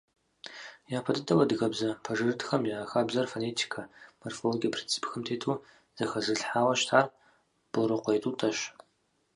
Япэ дыдэу адыгэбзэ пэжырытхэм и хабзэр фонетикэ, морфологие принципхэм тету зэхэзылъхьауэ щытар Борыкъуей Тӏутӏэщ.